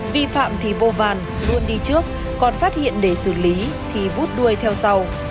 vi phạm thì vô vàn luôn đi trước còn phát hiện để xử lý thì vút đuôi theo sau